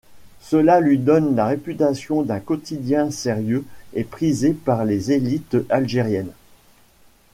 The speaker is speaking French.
Cela lui donne la réputation d'un quotidien sérieux et prisé par les élites algériennes.